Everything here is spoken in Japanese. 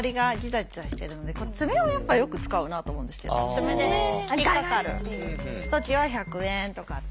爪で引っかかる時は１００円とかって。